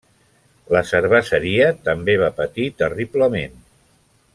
La cerveseria també va patir terriblement.